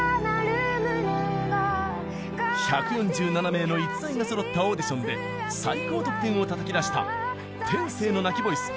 １４７名の逸材がそろったオーディションで最高得点をたたき出した天性の泣きボイス